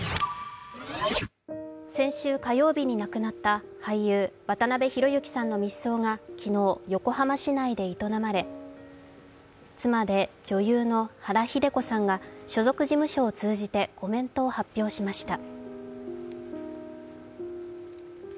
先週火曜日に亡くなった俳優、渡辺裕之さんの密葬が昨日横浜市内で営まれ、妻で女優の原日出子さんが所属事務所を通じてコメントを発表しました。